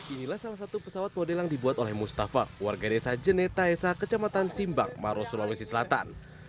inilah salah satu pesawat model yang dibuat oleh mustafa warga desa jenetaesa kecamatan simbang maros sulawesi selatan